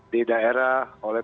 di daerah oleh